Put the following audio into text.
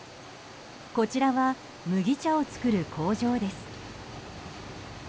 こちらは麦茶を作る工場です。